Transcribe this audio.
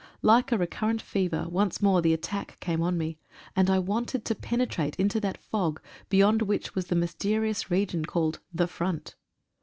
Like a recurrent fever, once more the attack came on me, and I wanted to penetrate into that fog, beyond which was the mysterious region called "The Front."